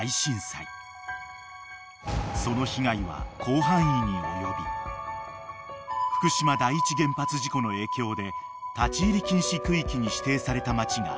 ［その被害は広範囲に及び福島第一原発事故の影響で立ち入り禁止区域に指定された町がいくつもあった］